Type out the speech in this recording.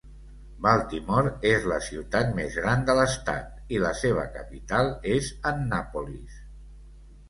Baltimore és la ciutat més gran de l'estat, i la seva capital és Annapolis.